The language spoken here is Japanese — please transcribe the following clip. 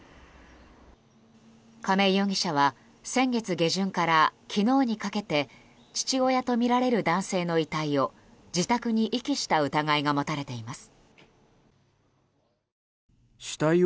亀井容疑者は先月下旬から昨日にかけて父親とみられる男性の遺体を自宅に遺棄した疑いが持たれています。